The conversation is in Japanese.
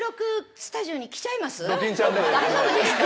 大丈夫ですか？